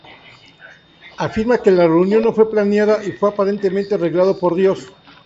Afirma que la reunión no fue planeada, y fue aparentemente arreglado por Dios.